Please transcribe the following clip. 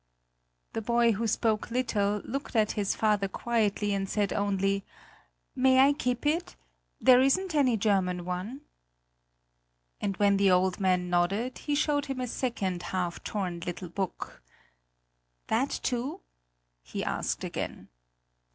The boy, who spoke little, looked at his father quietly and said only: "May I keep it? There isn't any German one." And when the old man nodded, he showed him a second half torn little book. "That too?" he asked again.